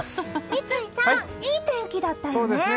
三井さん、いい天気だったよね。